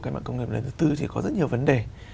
cách mạng công nghiệp lần thứ tư thì có rất nhiều vấn đề